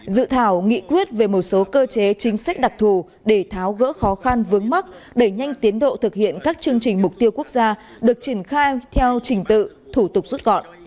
dự thảo nghị quyết về một số cơ chế chính sách đặc thù để tháo gỡ khó khăn vướng mắt đẩy nhanh tiến độ thực hiện các chương trình mục tiêu quốc gia được triển khai theo trình tự thủ tục rút gọn